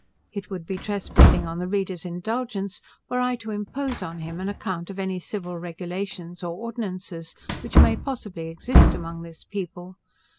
It would be trespassing on the reader's indulgence were I to impose on him an account of any civil regulations, or ordinances, which may possibly exist among this people.